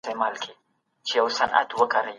په کابل کي د صنعت لپاره ماشینونه څنګه کارول کېږي؟